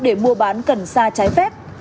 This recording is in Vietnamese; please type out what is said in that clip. để mua bán cần xa trái phép